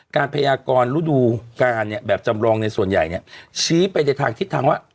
พยากรฤดูการเนี่ยแบบจำลองในส่วนใหญ่เนี่ยชี้ไปในทางทิศทางว่า